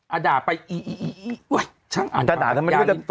อ๋าด่าไปเอี๋ไว้